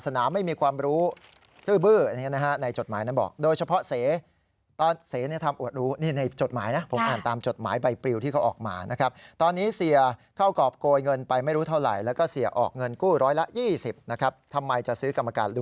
สนามไม่มีความรู้ชื่อเบื้ออย่างนี้นะฮะ